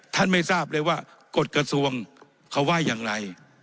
ท่านไม่ทราบเลยว่ากฎกระทรวงเขาว่ายังไง